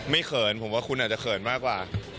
เขินผมว่าคุณอาจจะเขินมากกว่า